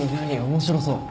面白そう。